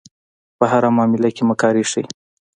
په هره معامله کې مکاري ښيي.